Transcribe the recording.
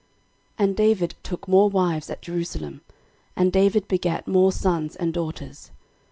13:014:003 And David took more wives at Jerusalem: and David begat more sons and daughters.